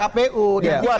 kpu yang buat